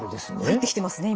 入ってきてますね